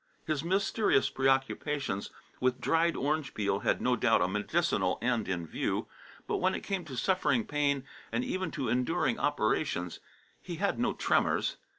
His mysterious preoccupations with dried orange peel had no doubt a medicinal end in view. But when it came to suffering pain and even to enduring operations, he had no tremors.